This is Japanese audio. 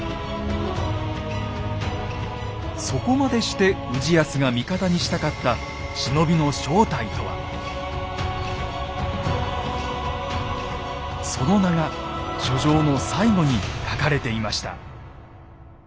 そこまでして氏康が味方にしたかったその名が書状の最後に書かれていました。